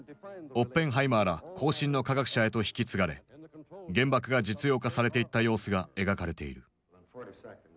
オッペンハイマーら後進の科学者へと引き継がれ原爆が実用化されていった様子が描かれている。